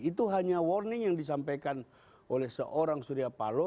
itu hanya warning yang disampaikan oleh seorang surya paloh